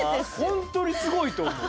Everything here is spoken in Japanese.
ほんとにすごいと思う。